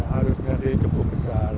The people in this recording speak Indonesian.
harusnya jadi cukup besar